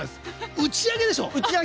打ち上げでしょ。